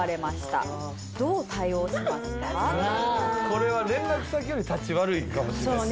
これは連絡先よりタチ悪いかもしれない。